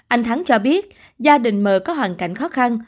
anh thắng cho biết gia đình m có hoàn cảnh khó khăn